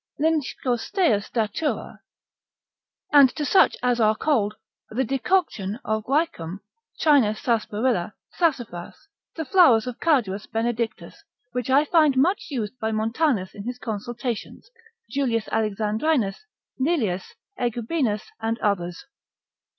Linshcosteus Datura; and to such as are cold, the decoction of guiacum, China sarsaparilla, sassafras, the flowers of carduus benedictus, which I find much used by Montanus in his Consultations, Julius Alexandrinus, Lelius, Egubinus, and others.